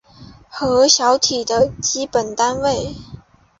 核小体的基本单位。